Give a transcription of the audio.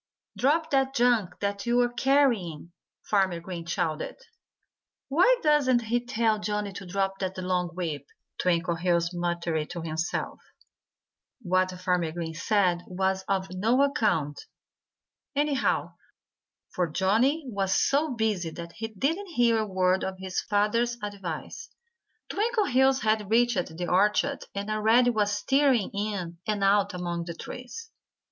"Drop that junk that you're carrying!" Farmer Green shouted. "Why doesn't he tell Johnnie to drop that long whip?" Twinkleheels muttered to himself. What Farmer Green said was of no account, anyhow, for Johnnie was so busy that he didn't hear a word of his father's advice. Twinkleheels had reached the orchard and already was tearing in and out among the trees.